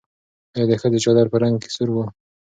ایا د ښځې چادر په رنګ کې سور و؟